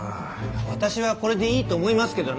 私はこれでいいと思いますけどね。